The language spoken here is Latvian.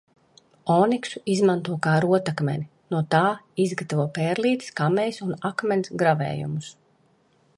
Oniksu izmanto kā rotakmeni – no tā izgatavo pērlītes, kamejas un akmens gravējumus.